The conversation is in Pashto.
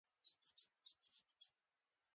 ملغلرې یو طبیعي ښکارنده ده چې انسان کارولې ده